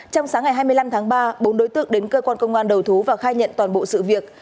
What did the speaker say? trong sáng ngày hai mươi năm tháng ba bốn đối tượng đến cơ quan công an đầu thú và khai nhận toàn bộ sự việc